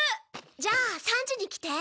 じゃあ３時に来て。